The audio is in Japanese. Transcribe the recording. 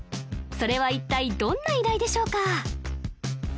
それは一体どんな依頼でしょうか？